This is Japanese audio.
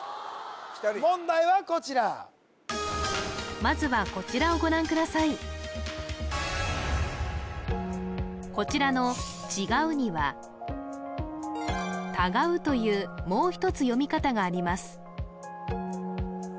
１人問題はこちらまずはこちらの「違う」には「たがう」というもう１つ読み方があります